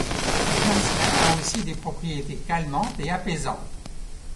Le jasmin a aussi des propriétés calmantes et apaisantes.